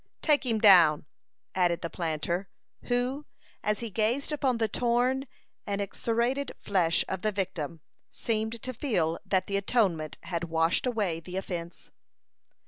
"Take him down," added the planter, who, as he gazed upon the torn and excoriated flesh of the victim, seemed to feel that the atonement had washed away the offence.